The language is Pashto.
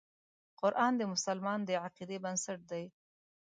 قرآن د مسلمان د عقیدې بنسټ دی.